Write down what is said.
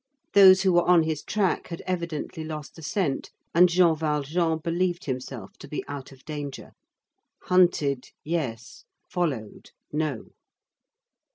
Those who were on his track had evidently lost the scent, and Jean Valjean believed himself to be out of danger. Hunted, yes; followed, no.